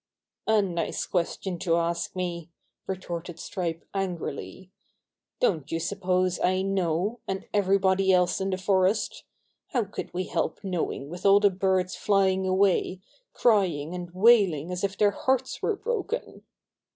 "A nice question to ask me!" retorted Stripe angrily. "Don't you suppose I know, and everybody else in the forest? How could we help knowing with all the birds flying away, crying and wailing as if their hearts were broken?"